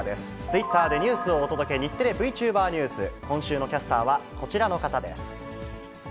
ツイッターでニュースをお届け、日テレＶチューバーニュース、今週のキャスターはこちらの方です。